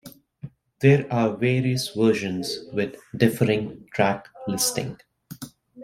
There are various versions with differing track listing.